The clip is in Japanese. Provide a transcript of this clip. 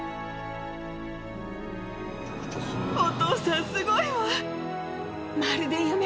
お父さん、すごいわ！